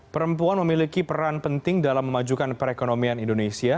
perempuan memiliki peran penting dalam memajukan perekonomian indonesia